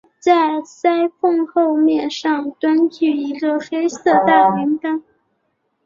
在鳃缝后面上端据一个黑色大圆斑。